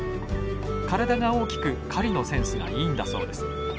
体が大きく狩りのセンスがいいんだそうです。